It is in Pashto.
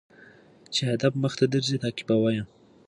چي هدف مخته درځي تعقيبوه يې